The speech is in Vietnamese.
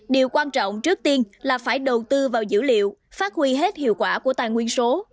điều quan trọng trước tiên là phải đầu tư vào dữ liệu phát huy hết hiệu quả của tài nguyên số